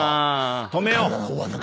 止めよう。